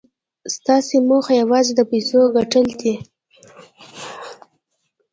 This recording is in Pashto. ستاسې موخه یوازې د پیسو ګټل دي